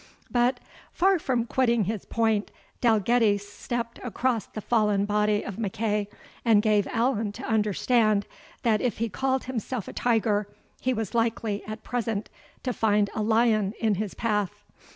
But, far from quitting his point, Dalgetty stept across the fallen body of MacEagh, and gave Allan to understand, that if he called himself a tiger, he was likely, at present, to find a lion in his path.